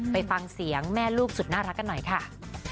ไปฟังเสียงแม่ลูกสุดน่ารักกันหน่อยค่ะ